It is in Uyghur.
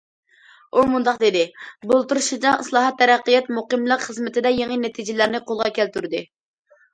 ئۇ مۇنداق دېدى: بۇلتۇر شىنجاڭ ئىسلاھات، تەرەققىيات، مۇقىملىق خىزمىتىدە يېڭى نەتىجىلەرنى قولغا كەلتۈردى.